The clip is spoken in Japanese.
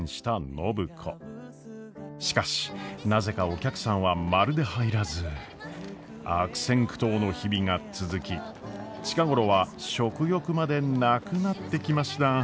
しかしなぜかお客さんはまるで入らず悪戦苦闘の日々が続き近頃は食欲までなくなってきました。